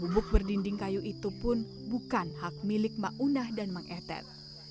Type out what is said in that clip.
gubuk berdinding kayu itu pun bukan hak milik maunah dan mang etet